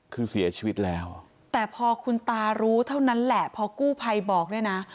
คือเสียชีวิตแล้วแต่พอคุณตารู้เท่านั้นแหละพอกู้ภัยบอกเนี่ยนะ